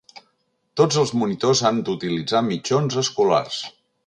Tots els monitors han d'utilitzar mitjons escolars.